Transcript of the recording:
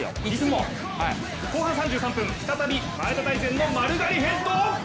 後半３３分、再び前田大然の丸刈りヘッド！